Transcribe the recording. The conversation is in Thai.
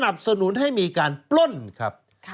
สนุนให้มีการปล้นครับ